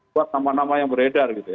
buat nama nama yang beredar gitu ya